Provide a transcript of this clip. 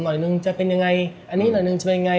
หนึ่งจะเป็นยังไงอันนี้หน่อยหนึ่งจะเป็นไง